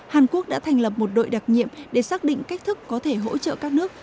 hàn quốc đã thành lập một đội đặc nhiệm để xác định cách thức có thể hỗ trợ các nước